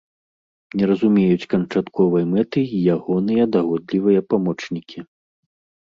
Не разумеюць канчатковай мэты й ягоныя дагодлівыя памочнікі.